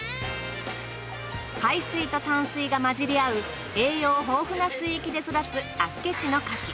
海水と淡水が混じり合う栄養豊富な水域で育つ厚岸の牡蠣